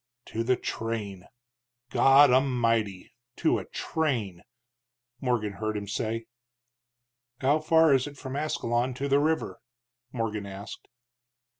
"To a train! God A'mighty to a train!" Morgan heard him say. "How far is it from Ascalon to the river?" Morgan asked.